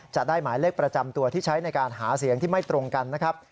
จะได้หมายเลขประจำตัวที่ใช้ในการหาเสียงที่ไม่ตรงกันนะครับ